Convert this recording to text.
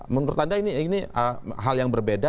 menurut anda ini hal yang berbeda